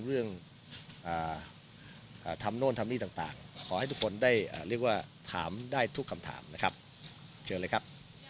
เรื่องทำโน่นทำหนี้ต่างขอให้ทุกคนได้รู้ว่าถามได้ทุกคำถามนะครับ